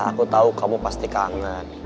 aku tahu kamu pasti kangen